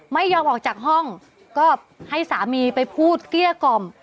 ไม่ยอมออกจากห้องก็ให้สามีไปพูดเกลี้ยกล่อม